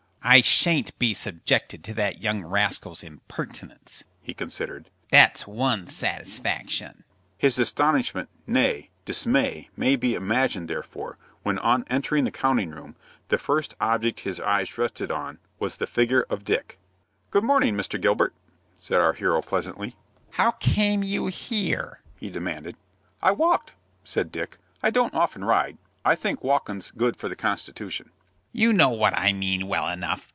"I shan't be subjected to that young rascal's impertinence," he considered. "That's one satisfaction." His astonishment, nay, dismay, may be imagined, therefore, when, on entering the counting room, the first object his eyes rested on was the figure of Dick. "Good morning, Mr. Gilbert," said our hero, pleasantly. "How came you here?" he demanded. "I walked," said Dick. "I don't often ride. I think walkin's good for the constitution." "You know what I mean, well enough.